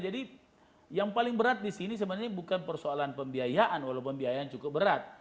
jadi yang paling berat di sini sebenarnya bukan persoalan pembiayaan walaupun pembiayaan cukup berat